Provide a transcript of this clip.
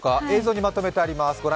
映像にまとめてあります。